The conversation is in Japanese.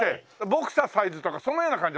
ボクササイズとかそんなような感じ？